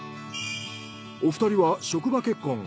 お二人は職場結婚。